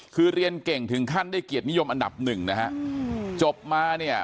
คือเรียนเก่งถึงขั้นได้เกียรตินิยมอันดับหนึ่งนะฮะจบมาเนี่ย